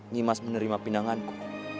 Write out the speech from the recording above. nimas menerima pinanganku